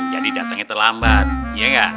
jadi datengnya terlambat iya nggak